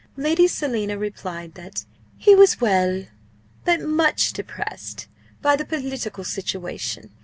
Lady Selina replied that he was well, but much depressed by the political situation.